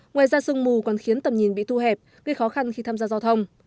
ngoài ra sương mù còn khiến tầm nhìn bị thu hẹp gây khó khăn khi tham gia giao thông